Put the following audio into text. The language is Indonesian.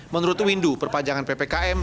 menurut windu perpanjangan ppkm